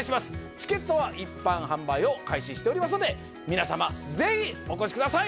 チケットは一般販売を開始しておりますので皆様ぜひお越しください